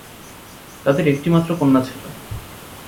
তাঁদের একটি মাত্র কন্যা ছিল।